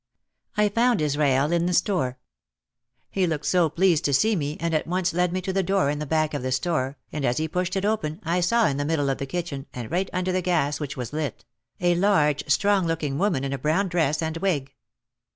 I found Israel in the store. He looked so pleased to see me and at once led me to the door in the back of the store and as he pushed it open I saw in the middle of the kitchen and right under the gas which was lit, a large strong looking woman in a brown dress and wig.